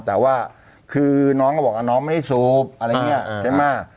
แต่ว่าคือน้องก็บอกว่าน้องไม่สูบอะไรอย่างนี้ใช่ไหม